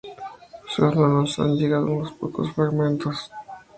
Sólo nos han llegado unos pocos fragmentos de sus obras.